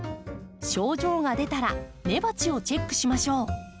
症状が出たら根鉢をチェックしましょう。